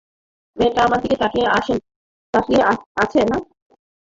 মেয়েটা আমাদের দিকে তাকিয়ে আছে না?